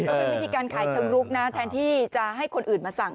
เป็นวิธีการขายเชิงรุกนะแทนที่จะให้คนอื่นมาสั่ง